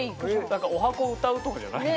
何かおはこを歌うとかじゃないの？